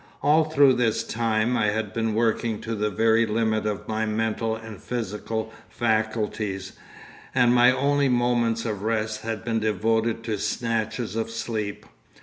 All through this time I had been working to the very limit of my mental and physical faculties, and my only moments of rest had been devoted to snatches of sleep.